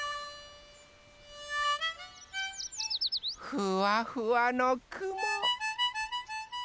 ふわふわのくも。